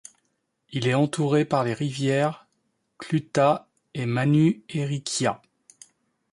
Il est entouré par les rivières Clutha et Manuherikia.